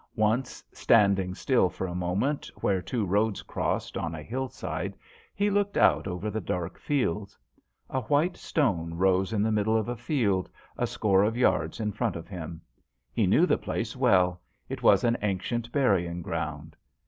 Once, standing still for a moment where two roads crossed on a hill side, he looked out over the dark fields. A white stone rose in the middle of a field, a score of yards in front of him. He knew the place well ; it was an ancient burying ground.